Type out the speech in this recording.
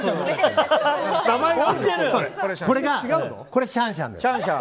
これシャンシャン。